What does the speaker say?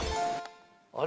あれ？